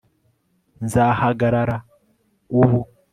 nzahagarara ubu